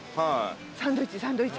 サンドイッチサンドイッチ。